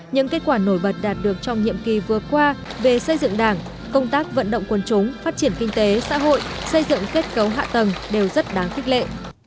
những kết quả nổi bật đạt được trong nhiệm kỳ vừa qua về xây dựng đảng công tác vận động quân chúng phát triển kinh tế xã hội xây dựng kết cấu hạ tầng đều rất đáng khích lệ